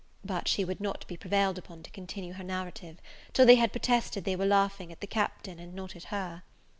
But she would not be prevailed upon to continue her narrative, till they had protested they were laughing at the Captain, and not at her.